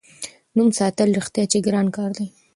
نوم ساتل رښتیا چې ګران کار دی.